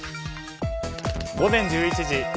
午前１１時。